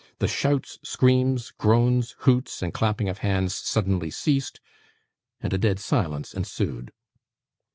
The shouts, screams, groans, hoots, and clapping of hands, suddenly ceased, and a dead silence ensued.